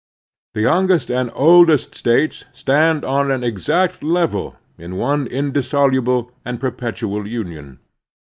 The yotmgest and the oldest States stand on an exact level in one indissoluble and perpetual Union.